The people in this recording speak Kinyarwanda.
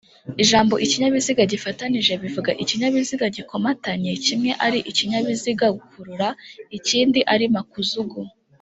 ijambo’’ikinyabiziga gifatanije’’bivuga ikinyabiziga gikomatanye, kimwe ali ikinyabiziga gukurura, ikindi ari makuzugu;